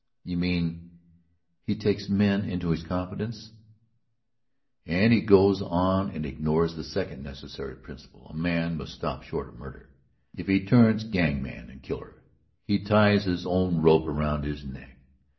"You mean he takes men into his confidence?" "And he goes on and ignores the second necessary principle; a man must stop short of murder. If he turns gangman and killer, he ties his own rope around his neck.